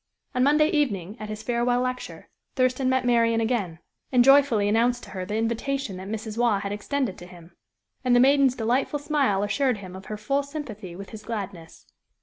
On Monday evening, at his farewell lecture, Thurston met Marian again, and joyfully announced to her the invitation that Mrs. Waugh had extended to him. And the maiden's delightful smile assured him of her full sympathy with his gladness.